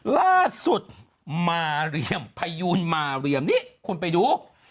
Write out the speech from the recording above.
ล่าสุดมาเรียมพยูนมาเรียมนี่คุณไปดู